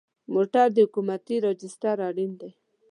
موټر د حکومتي راجسټر اړین دی.